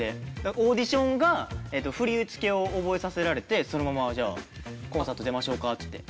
オーディションが振り付けを覚えさせられてそのままじゃあコンサート出ましょうかっていって。